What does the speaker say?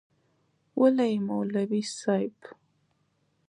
وله یی مولوی صیب.